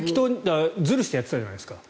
ずるしてやってたじゃないですか。